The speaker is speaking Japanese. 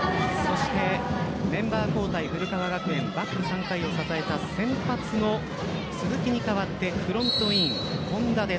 メンバー交代、古川学園バック３回を支えた先発の鈴木に代わってフロントイン本田です。